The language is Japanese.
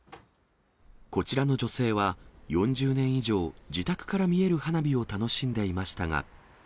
こちらの女性は、４０年以上、自宅から見える花火を楽しんでいましたが。